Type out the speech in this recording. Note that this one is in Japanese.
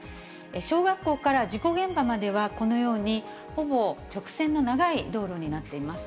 小学校から事故現場までは、このように、ほぼ直線の長い道路になっています。